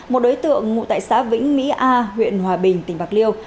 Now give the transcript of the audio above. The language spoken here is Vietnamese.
một đối tượng ngụ tại xã vĩnh mỹ a huyện hòa bình tỉnh bạc liêu